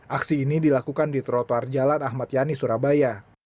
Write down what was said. aksi ini dilakukan di trotoar jalan ahmad yani surabaya